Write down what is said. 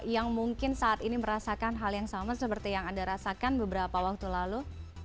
yang mungkin saat ini merasakan hal yang sama seperti yang anda rasakan beberapa waktu lalu